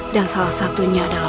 dan salah satunya adalah